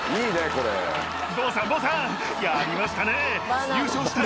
ボーさんボーさんやりましたね！